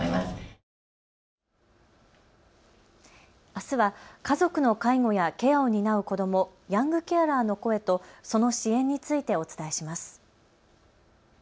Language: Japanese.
あすは家族の介護やケアを担う子ども、ヤングケアラーの声とその支援についてお伝えします。